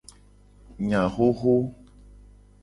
Enya xoxo.